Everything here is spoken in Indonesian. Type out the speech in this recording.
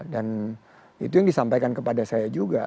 dan itu yang disampaikan kepada saya juga